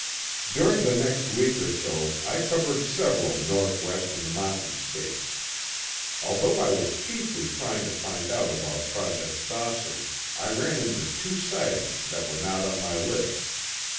During the next week or so, I covered several northwest and mountain states. Although I was chiefly trying to find out about Project "Saucer," I ran onto two sightings that were not on my list.